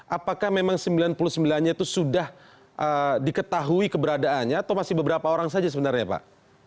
apakah memang sembilan puluh sembilan nya itu sudah diketahui keberadaannya atau masih beberapa orang saja sebenarnya pak